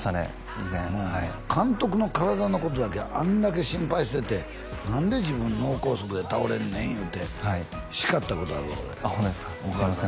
以前監督の体のことだけあんだけ心配してて何で自分脳梗塞で倒れんねんいうて叱ったことあるわ俺ホントですかすいません